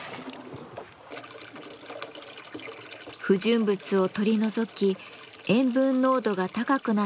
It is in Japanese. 不純物を取り除き塩分濃度が高くなった海水を抽出します。